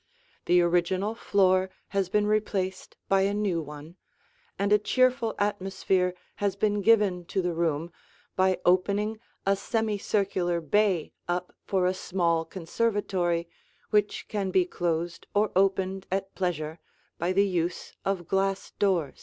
The original floor has been replaced by a new one, and a cheerful atmosphere has been given to the room by opening a semicircular bay up for a small conservatory which can be closed or opened at pleasure by the use of glass doors.